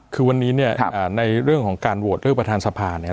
คือวันนี้ในเรื่องของการโหวตเลือกประธานสภาเนี่ย